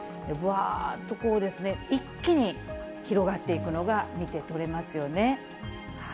ぶわーっとこう、一気に広がっていくのが見て取れますよね。